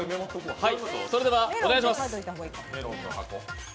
それではお願いします。